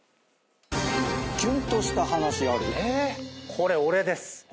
これ俺です。